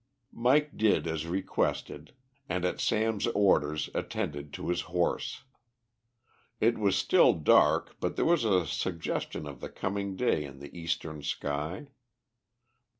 Mike did as requested, and at Sam's orders attended to his horse. It was still dark, but there was a suggestion of the coming day in the eastern sky.